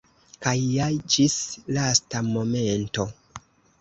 Kaj ja ĝis lasta momento!